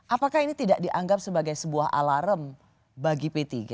apakah ini tidak dianggap sebagai sebuah alarm bagi p tiga